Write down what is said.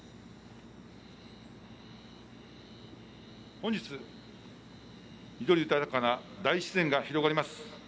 本日、緑豊かな大自然が広がります